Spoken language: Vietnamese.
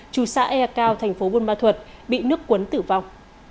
trù xã e cao thành phố bôn ma thuật bị nước cuốn tử vong